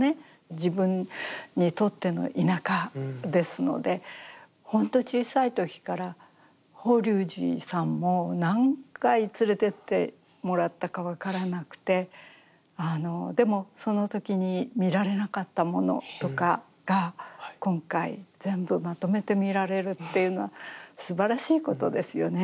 自分にとっての田舎ですのでほんと小さい時から法隆寺さんも何回連れてってもらったか分からなくてでもその時に見られなかったものとかが今回全部まとめて見られるっていうのはすばらしいことですよね。